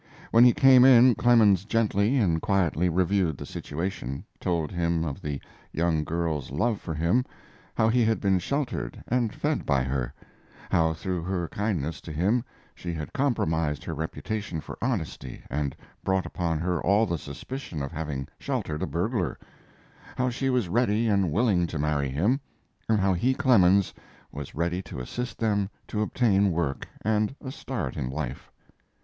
When he came in Clemens gently and quietly reviewed the situation, told him of the young girl's love for him; how he had been sheltered and fed by her; how through her kindness to him she had compromised her reputation for honesty and brought upon her all the suspicion of having sheltered a burglar; how she was ready and willing to marry him, and how he (Clemens) was ready to assist them to obtain work and a start in life.